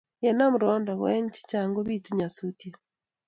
Ye nam ruondo ko eng chachang kobitu nyasutiet.